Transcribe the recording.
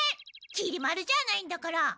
きり丸じゃないんだから。